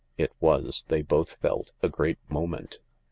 It was, they both felt, a great moment.